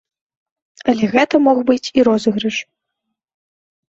Але гэта мог быць і розыгрыш.